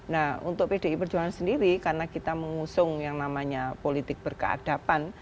nah untuk pdi perjuangan sendiri karena kita mengusung yang namanya politik berkeadapan